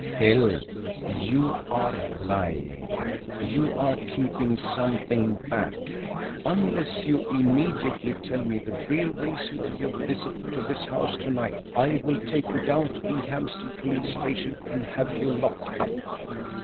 "Hill, you are lying, you are keeping something back. Unless you immediately tell me the real reason of your visit to this house tonight I will take you down to the Hampstead Police Station and have you locked up.